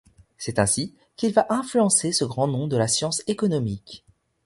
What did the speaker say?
C'est ainsi qu'il va influencer ce grand nom de la science économique.